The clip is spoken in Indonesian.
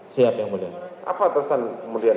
siap yang mulia